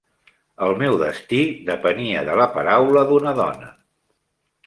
El meu destí depenia de la paraula d'una dona.